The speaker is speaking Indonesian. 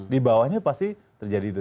di bawahnya pasti terjadi itu